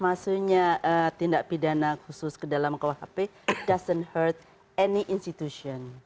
maksudnya tindak pidana khusus ke dalam rkuhp tidak memperlukan institusi